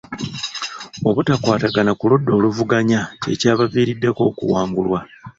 Obutakwatagana ku ludda oluvuganya kye kyabaviiriddeko okuwangulwa.